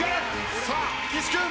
さあ岸君。